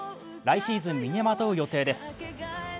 来シーズン身にまとう予定です。